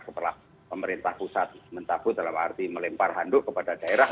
setelah pemerintah pusat mencabut dalam arti melempar handuk kepada daerah